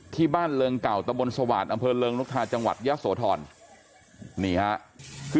ที่บ้านเรืองเก่าตะบนสวาสอำเภิลเรืองนกทาจังหวัดยศโฑธร